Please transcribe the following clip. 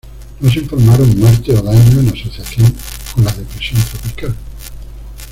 No se informaron muertes o daños en asociación con la depresión tropical.